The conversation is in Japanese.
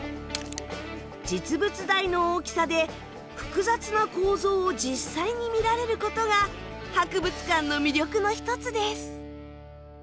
実物大の大きさで複雑な構造を実際に見られることが博物館の魅力の一つです。